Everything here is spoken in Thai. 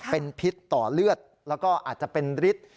เป็นพิษต่อเลือดแล้วก็อาจจะเป็นฤทธิ์